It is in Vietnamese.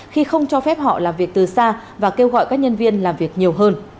khi không cho phép họ làm việc từ xa và kêu gọi các nhân viên làm việc nhiều hơn